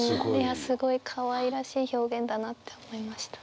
すごいかわいらしい表現だなって思いました。